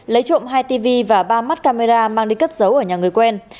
lấy trộm hai tv và ba mắt camera mang đi cất giấu ở nhà người quen